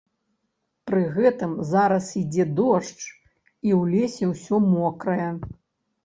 Пры гэтым зараз ідзе дождж і ў лесе ўсё мокрае.